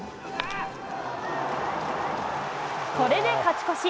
これで勝ち越し。